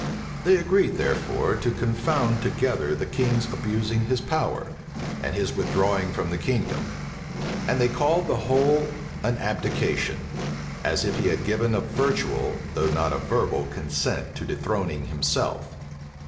They agreed, therefore, to confound together the king's abusing his power, and his withdrawing from the kingdom; and they called the whole an abdication; as if he had given a virtual, though not a verbal, consent to dethroning himself.